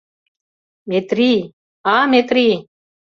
- Метрий, а Метрий!